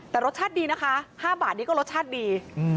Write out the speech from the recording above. แต่รสชาติดีนะคะ๕บาทนี้ก็รสชาติดี